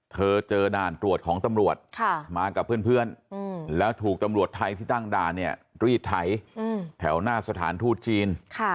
เจอด่านตรวจของตำรวจมากับเพื่อนแล้วถูกตำรวจไทยที่ตั้งด่านเนี่ยรีดไถแถวหน้าสถานทูตจีน